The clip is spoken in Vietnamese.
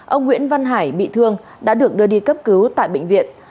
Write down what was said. ông nguyễn văn hải bị thương đã được đưa đi cấp cứu tại bệnh viện